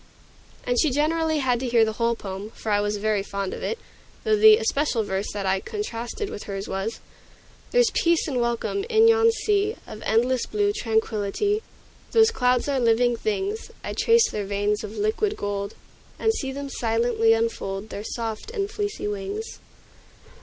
And she generally had to hear the whole poem, for I was very fond of it; though the especial verse that I contrasted with hers was, "There's peace and welcome in yon sea Of endless blue tranquillity; Those clouds are living things; I trace their veins of liquid gold, And see them silently unfold Their soft and fleecy wings."